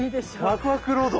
ワクワクロード。